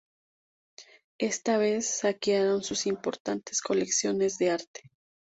Esta vez saquearon sus importantes colecciones de arte.